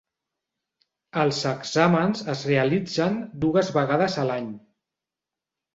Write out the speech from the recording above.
Els exàmens es realitzen dues vegades a l'any.